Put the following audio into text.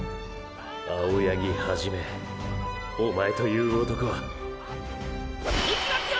青八木一おまえという男は行きますよ！